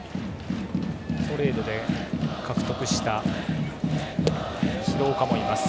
トレードで獲得した廣岡もいます。